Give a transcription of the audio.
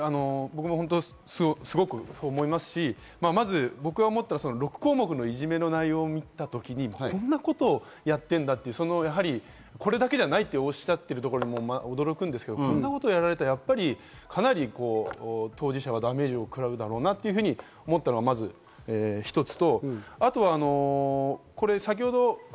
僕もそう思いますし、まずは６項目のいじめの内容を見たときに、こんなことをやっているんだと、これだけじゃないとおっしゃっているところにも驚くんですけど、こんなことをやられたら、かなり当事者はダメージを食らうだろうなと思ったのがまず一つ。